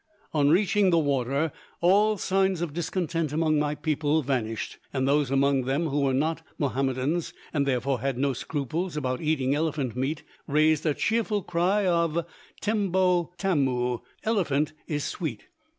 On reaching the water, all signs of discontent among my people vanished, and those among them who were not Mahomedans, and therefore had no scruples about eating elephant meat, raised a cheerful cry of tembo tamu elephant is sweet.